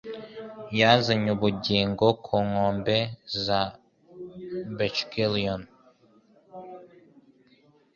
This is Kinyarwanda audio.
yazanye Ubugingo ku nkombe za Bacchglione